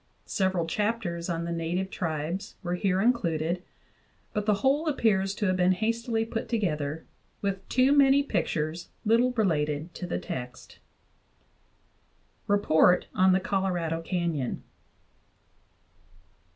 Several chapters on the native tribes were here included ; but the whole appears to have been hastily put together, with too many pictures little related to the text. REPORT ON THE COLORADO CANYON.